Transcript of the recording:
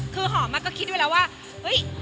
คือหอมก็คิดไว้แล้วว่าเฮ้ย